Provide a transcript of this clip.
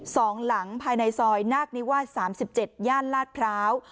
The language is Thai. สองหลังภายในซอยนาคนิวาส๓๗ย่านลาดพร้าว